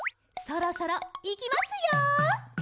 「そろそろ、いきますよ！」